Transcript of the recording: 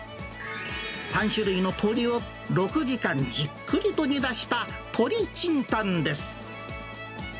３種類の鶏を６時間、じっくりと煮出した鶏清湯です。